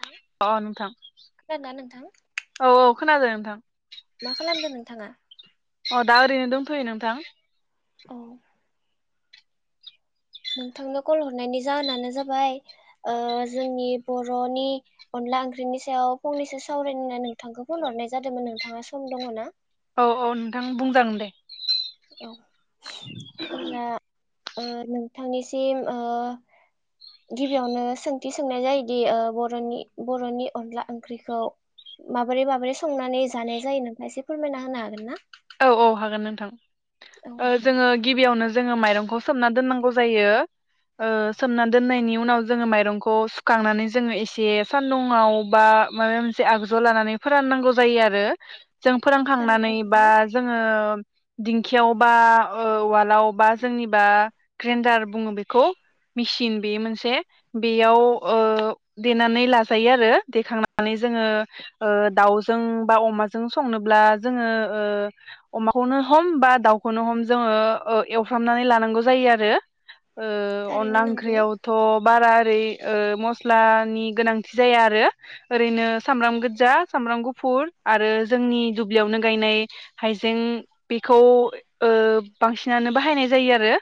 नोंथां अ नोंथां खोनादोंना नोंथां औ औ खोनादों नोंथां। मा खालामदो नोंथाङा? अ दा ओरैनो दोंथ'यो नोंथां। औ नोंथांनो कल हरनायनि जाहोनानो जाबाय ओ जोंनि बर'नि अनला ओंख्रिनि सायाव फंनैसो सावरायनो होनना नोंथांखौ फन हरनाय जादोंमोन नोंथाङा सम दङ ना? औ औ नोंथां बुंजागोन दे। औ अब्ला ओ नोंथांनिसिम ओ गिबियावनो सोंथि सोंनाय जायोदि ओ बर'नि बर'नि अनला ओंख्रिखौ माबोरै माबोरै संनानै जानाय जायो नोंथाङा इसे फोरमायना होनो हागोन ना? औ औ हागोन नोंथां। औ ओ नोंथां जोङो गिबियावनो जोङो माइरंखौ सोमना दोननांगौ जायो ओ सोमना दोननायनि उनाव जोङो माइरंखौ सुखांनानै जोङो इसे सान्दुंआव बा माबा मोनसे आगजु लानानै फोराननांगौ जायो आरो जों फोरांखांनानै थारैनो बा नंगौ ओ दिंखियाव बा ओ उवालाव बा जोंनि बा ग्रेन्डार बुङो बेखौ मेसिन बेयो मोनसे बेयाव ओ देनानै लाजायो आरो देखांनानै जोङो ओ दाउजों बा अमाजों संनोब्ला जोङो ओ अमाखौनो हम बा दाउखौनो हम जोङो ओ एवफ्रामनानै लानांगौ जायो आरो ओ अनला थारैनो नंगौ ओंख्रियावथ' बारा ओरै ओ मस्लानि गोनांथि जाया आरो ओरैनो सामब्राम गोदजा सामब्राम गुफुर आरो जोंनि दुब्लियावनो गायनाय हाइजें बेखौ ओ बांसिनानो बाहायनाय जायो आरो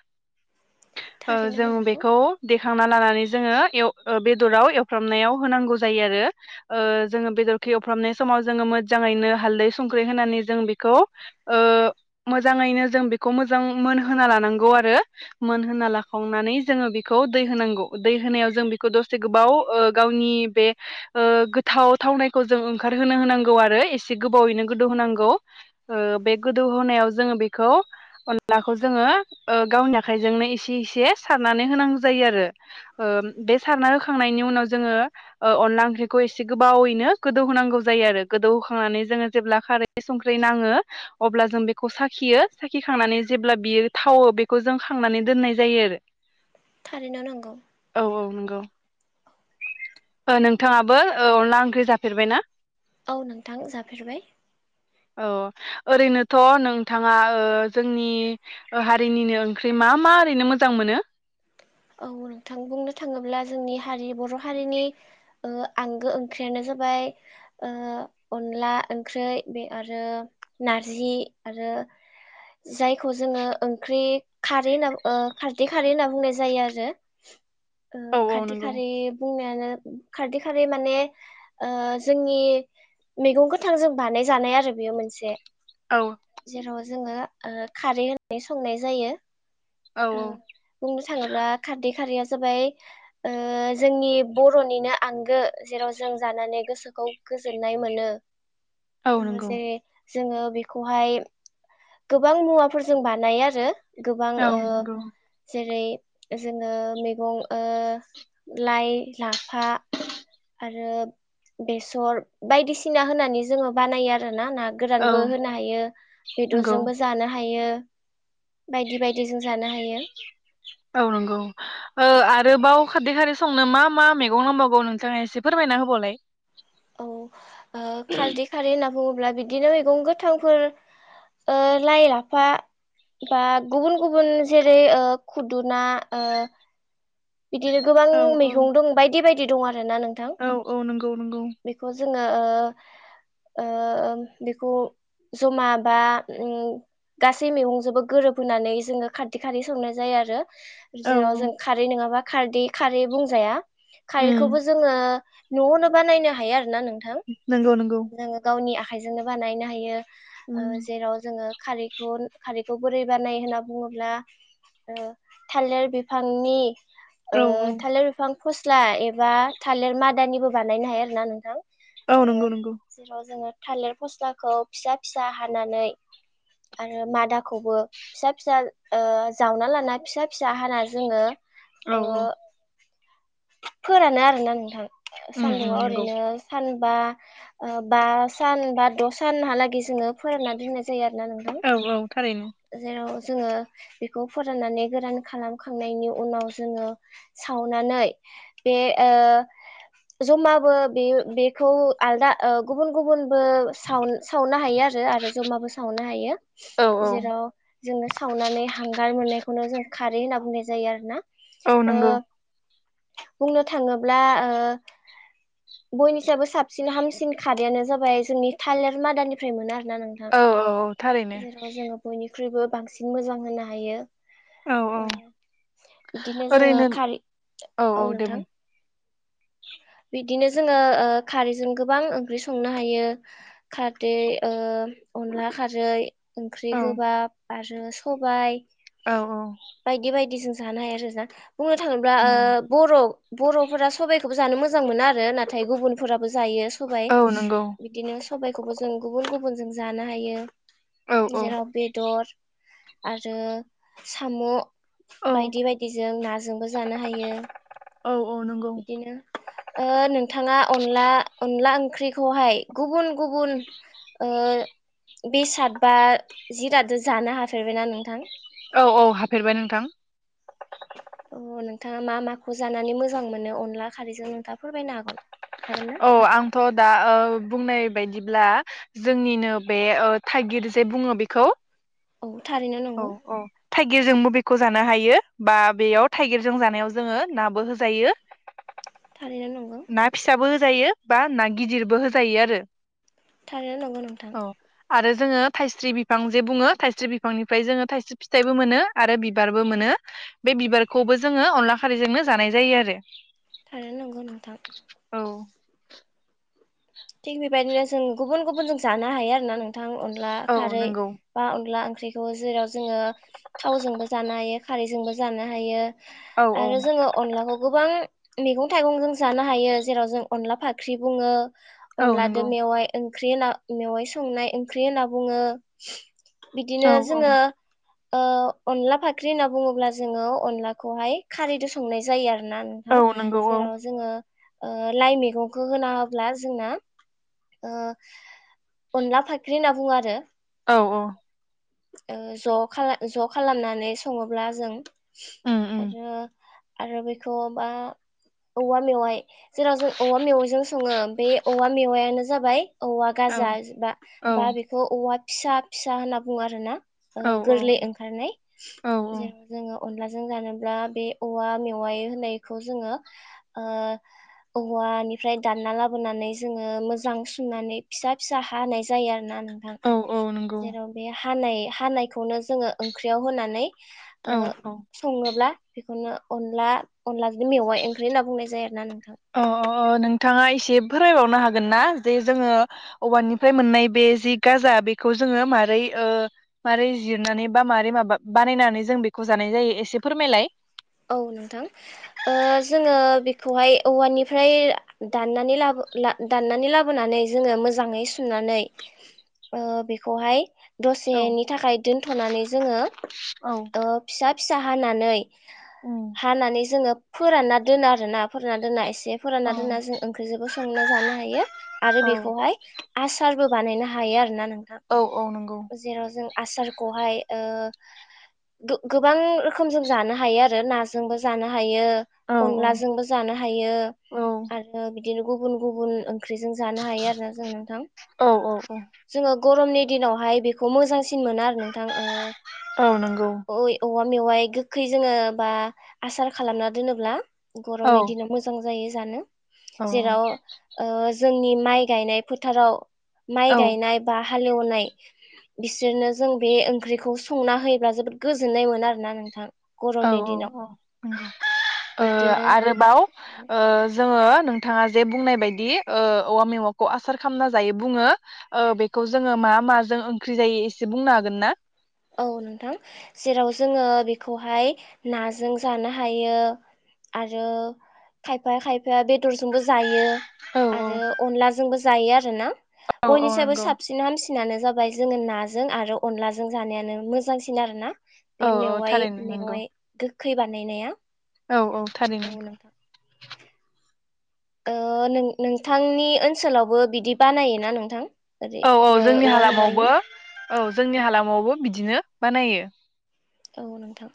ओ थारैनो जों नंगौ बेखौ दे खांना लानानै जोङो एव ओ बेदराव एवफ्रामनायाव होनांगौ जायो आरो ओ जोङो बेदर एवफ्रामनाय समाव जोङो मोजाङैनो हालदै संख्रि होनानै जों बिखौ ओ मोजाङैनो जों बेखौ मोजां मोनहोना लानांगौ आरो मोनहोना लाखांनानै जोङो बेखौ दै होनांगौ दै होनायाव जों बेखौ दसे गोबाव ओ गावनि बे ओ गोथाव थावनायखौ जों ओंखारहोनो होनांगौ आरो एसे गोबावैनो गोदौ होनांगौ ओ बे गोदौ होनायाव जोङो बेखौ अनलाखौ जोङो ओ गावनि आखाइजोंनो एसे एसे सारनानै होनांगौ जायो आरो ओ बे सारना होखांनायनि उनाव जोङो ओ अनला ओंख्रिखौ एसे गोबावैनो गोदौ होनांगौ जायो आरो गोदौ होखांनानै जोङो जेब्ला खारै एसे संख्रि नाङो अब्ला जों बेखौ साखियो साखिखांनानै जेब्ला बियो थावो बेखौ जों खांनानै दोननाय जायो आरो थारैनो नोंगौ गौ ओ नोंथाङाबो ओ अनला ओंख्रि जाफेरबायना? औ नोंथां जाफेरबाय औ ओरैनोथ' नोंथाङा ओ जोंनि ओ हारिनिनो ओंख्रि मा मा ओरैनो मोजां मोनो? औ नोंथां बुंनो थाङोब्ला जोंनि हारि बर' हारिनि ओ आंगो ओंख्रियानो जाबाय ओ अनला ओंख्रै बे आरो नारजि आरो जायखौ जोङो ओंख्रि खारै होनना ओ खारदै खारै होनना बुंनाय जा जायो आरो ओ औ औ खाथि नंगौ खारै बुंनो खारदै खारै माने ओ जोंनि मैगं गोथां जों बानाय जानाय आरो बेयो मोनसे औ जेराव जोङो ओ खारै होननानै संनाय जायो। औ ओ औ बुंनो थाङोब्ला खारदै खारैया जाबाय ओ जोंनि बर'निनो आंगो जेराव जों जानानै गोसोखौ गोजोननाय मोनो। औ जोङो नंगौ जे जोङो बेखौहाय गोबां मुवाफोरजों बानायो आरो गोबां औ ओ नंगौ जेरै जोङो मैगं ओ लाइ लाफा आरो बेसर बायदिसिना होनानै जोङो बानायो आरो ना ना औ गोरानबो होनो हायो नंगौ बेदरजोंबो जानो हायो बायदि बायदि जों जानो हायो। औ नंगौ ओ आरोबाव खारदै खारै संनो मा मा मैगं नांबावगौ नोंथाङा एसे फोरमायना होबावलाय औ ओ खारदै खारै होनना बुङोब्ला बिदिनो मैगं गोथांफोर ओ लाइ लाफा बा गुबुन गुबुन जेरै ओ खुदुना ओ बिदिनो गोबां औ औ मैगं दं बायदि बायदि दं आ औ औ नंगौ नंगौ बेखौ जोङो ओ ओ बेखौ जमा बा उम गासै मैगंजोंबो गोरोबहोनानै जोङो खारदै खारै संनाय जायो आरो औ जेराव औ जों खारै नोङा माबा खारदै खारै बुंजाया मा खारैखौबो उम जोङो न'आवनो बानायनो हायो आरो ना ना नोंथां नंगौ नंगौ जोङो गावनि आखाइ आखाइजोंनो बानायनाइनो हायो उम ओ जेराव जोङो खारैखौ खारैखौ बोरै बानायो होनना बुङोब्ला ओ थालिर बिफांनि ओ औ थालिर बिफां फस्ला एबा थालिर मादानिबो बानायनो हायो आरोना नोंथां औ ओ नंगौ नंगौ जेराव जोङो थालिर फस्लाखौ फिसा-फिसा हानानै आरो मादाखौबो फिसा-फिसा ओ जावना लाना फिसा-फिसा हाना जोङो औ ओ औ फोरानो आरोना नोंथां उम उम सान्दुंङाव नंगौ ओरैनो सान बा ओ बा सान बा द' सानहालागै जोङो फोरानना दोननाय जायो जायो आरो नोंथां औ औ थारैनो जेराव जोङो बेखौ फाननानै गोरान खालामखांनायनि उ उनाव जोङो सावनानै बे ओ जमाबो बे बेखौ आलदा ओ गुबुन गुबुन बो साव सावनो हायो आरो आरो जमाबो सावनो हायो औ औ जेराव जोङो सावनानै हांगार मोननाय बेखौनो जों खारै होनना बुंनाय जायो आरो ना औ ओ नंगौ बुंनो थाङोब्ला ओ बयनिसाबबो साबसिन हामसिन खारैयानो जाबाय जोंनि थालिर मादानिफ्राय मोनाय आ औ औ औ थारैनो ख्रिबो बांसिन मोजां होनो हायो औ औ बिदिनो जोङो ओरैनो खारि औ नोंथां बिदिनो जोङो ओ खारैजों गोबां ओंख्रि संनो हायो खारदै ओ अनला खारै ओंख्रि औ गोबाब आरो सबाय औ औ जाना हायो आरो ना बुंनो थाङोब्ला उम ओ बर' बर'फोरा सबाइ खोबो जानो मोजां मोजां मोनो आरो नाथाय गुबुनफोराबो जायो। होबाय औ नंगौ बिदिनो सबायखौबो जों गुबुन गुबुनजों जानो हायो। औ औ जेनाव बेदर। आरो साम' औ बायदि बायदिजों नाजोंबो जानो हायो औ औ नंगौ बिदिनो। ओ नोंथाङा अनला अनला ओंख्रिखौहाय गुबुन गुबुन ओ बेसाद बा जिरादजों जानो हाफेरबायना नोंथां? औ औ हाफेरबाय नोंथां। अ नोंथाङा मा माखौ जानानै मोजां मोनो? अनला खारैजों नोंथाङा फोरमायनो हागोन? हागोन ना? औ आंथ' दा ओ बुंनाय बायदिब्ला जोंनिनो बे ओ थाइगिर जे बुङो बेखौ औ थारैनो औ नंगौ औ थाइगिर जोंबो बेखौ खौ जानो हायो बा बेयाव थाइगिरजों जानायाव जोङो नाबो होजायो। थारैनो नंगौ। जायो बा ना गिदिरबो होजायो आरो। थारैनो नंगौ नोंथां। औ आरो जोङो थाइस्रि बिफां जे बुङो थाइस्रि बिफांनिफ्राय जोङो थाइस्रि फिथाइबो मोनो, आरो बिबारबो मोनो बे बिबारखौबो जोङो अनला खारैजोंनो जानाय जायो आरो। थारैनो नंगौ नोंथां। औ थिग बेबायदिनो जों गुबुन गुबुन जों जानो हायो आरो ना नों थां अनला औ खारै नंगौ बा अनला ओंख्रिखौ जेराव जोङो थावजोंबो जानो हायो। खारैजोंबो जानो हायो। औ औ आरो जोङो अनलाखौ गोबां मैगं थाइगं जों जानो हायो जेराव जों अनला फाख्रि बुङो। औ अनलादो नंगौ मेवाइ ओंख्रि होना मेवाइ संनाय ओंख्रि होनना बुङो। औ बिदिनो औ जोङो अ अनला फाख्रि होनना बुङोब्ला जोङो अनलाखौहाय खारैजों संनाय जायो आरो ना औ नोंथां नंगौ औ जेराव जोङो लाइ मैगंखौ होना होब्ला जोंना अनला फाख्रि होनना बुङो आरो। औ औ। ज खाला ज खालामनानै सङोब्ला जों उम उम आरो आरो बेखौ बा औवा मेवाइ, जेराव जों औवा मेवाइजों सङो बे औवा मेवायानो जाबाय औवा औ गाजा बा औ बा बेखौ औवा फिसा फिसा होनना बुङो आरोना। ओ औ औ गोरलै ओंखारनाय औ जेराव जोङो अनलाजों जानोब्ला बे औवा मेवाय होनायखौ जोङो ओ औवानिफ्राय दानना लाबोनानै जोङो मोजां सुनानै फिसा फिसा हानाय जायो आरोना नों नोंथां औ औ नंगौ जेराव हानाय हानायखौनो जोङो ओंख्रियाव होनानै ओ औ औ सङोब्ला बे खौनो अनला अनला बिनो मेवाइ ओंख्रि होनना बुंनाय जायो आरोना नों अ अ औ नों थाङा एसे फोरमायबावनो हागोन ना जे जोङो औवानिफ्राय मोननाय बे जि गाजा बेखौ जोङो मारै मारै जिरनानै बा माबोरै माबा बानायनानै जों बेखौ जानाय जायो एसे फोरमायलाय। औ नोंथां जोङो बेखौहाय औवानिफ्राय दाननानै लाबो ला दाननानै लाबोनानै जोङो मोजाङै सुनानै ओ बेखौहाय औ दसेनि थाखाय दोन्थ'नानै जोङो औ फिसा फिसा हानानै उम हानानै जोङो फोरानना दोनो आरोना फोरानना दोनना एसे जे औ फोरानना दोना जों ओंख्रिजोंबो संना जानो हायो आरो औ बेखौहाय आसारबो बानायनो हायो आरोना नों थां। औ औ नंगौ जेराव जों आसारखौहाय ओ गो-गोबां रोखोमजों जानो हायो आरो नाजोंबो जानो हा यो औ अनलाजोंबो जानो हायो औ आरो बि दिनो गुबुन गुबुन ओं ख्रिजों जानो हायो आरोना जों नोंथां। औ औ औ जोङो गरमनि दिनावहाय बेखौ मोजांसि सिन मोनो आरो नोंथां औ नंगौ ओ ओइ अल मेवाइ गो खै जोङो बा आसार खालामना दोनोब्ला औ गरमनि दिनाव मोजां जायो जानो। औ जेराव ओ जोंनि माइ गायनाय फोथाराव माइ गायनाय बा हालौनाय बिसोरनो जों बे ओंख्रैखौ संना होयोब्ला जोबोद गोजोननाय मोनो आरोना नोंथां। औ गरमनि औ दिनाव औ उम ओ बिब्दिनो आरोबाव ओ जोङो नोंथाङा जे बुंनाय बायदि ओ औवा मेवाखौ आसार खालामना जायो बुङो ओ बेखौ जोङो मा माजों ओंख्रि जायो एसे बुंनो हागोन ना? औ नोंथां जेराव जोङो बेखौहाय नाजों जानो हायो आरो खायफाया खायफाया बेदरजोंबो जायो औ औ आरो अनलाजोंबो जायो आरोना औ औ बयनिसायबो नंगौ साबसिन हामसिनानो जाबाय जोङो नाजों आरो अनलाजों जानायानो मोजांसिन आरोना बे औ औ मेवाय थारैनो नंगौ मेवाय गोख खै बानायनाया औ औ थारैनो औ नोंथां ओ नों नोंथांनि ओनसोलावबो बिदि बानायोना नोंथां? ओरै औ औ ओ जोंनि औवा हालामावबो मेवाइनि औ जोंनि औ हालामावबो बिदिनो बानायो औ नोंथां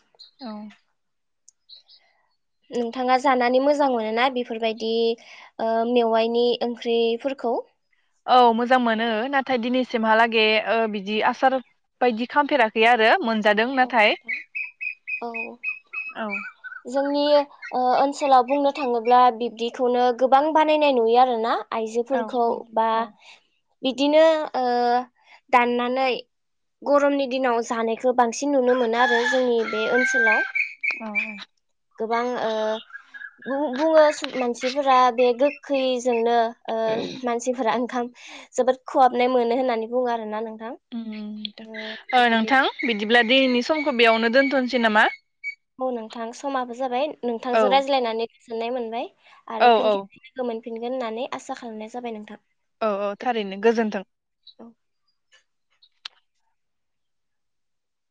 नोंथाङा जानानै मोजां मोनोना बेफोरबायदि ओ मेवायनि ओंख्रिफोरखौ औ मोजां मोनो नाथाय दिनैसिमहालागै ओ बिदि आसार बायदि खालामफेराखै आरो मोनस जादों औ नाथाय नोंथां औ औ जोंनि ओ ओनसोलाव बुंनो थाङोब्ला बिब्दिखौनो गोबां बानायनाय नुयो आरो ना औ आइजोफोरखौ बा बिदिनो ओ दाननानै गरमनि दिनाव जानायखौ बांसिन नुनो मोना आरो जोंनि बे ओनसोलाव औ औ गोबां ओ बुङो मानसिफोरा बे गो गोखैजोंनो ओ मानसिफोरा ओंखाम जोबोद खहाबनाय मोनो होननानै बुङो आरो ना नों ओ नोंथां बिदिब्ला दिनैनि समखौ बेयावनो दोनथ'नोसै नामा औ नोंथां समाबो जाबाय औ नोंथांजों रायज्लायनानै गोजोननाय मोनबाय आरो औ फिन औ खेबसे लोगो मोन फिनगोन होननानै आसा खालामनाय जाबाय नोंथां औ औ थारैनो गोजोन्थों औ